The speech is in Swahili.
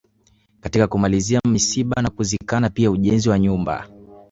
Katika kumaliza misiba na kuzikana pia ujenzi wa nyumba